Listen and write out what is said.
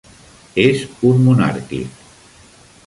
És un monàrquic.